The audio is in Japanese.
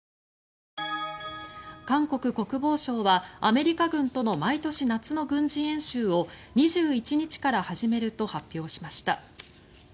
韓国国防省はアメリカ軍との毎年夏の軍事演習を２１日から始めると発表しました。